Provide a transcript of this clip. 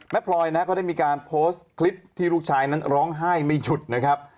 พลอยนะก็ได้มีการโพสต์คลิปที่ลูกชายนั้นร้องไห้ไม่ฉุดนะครับ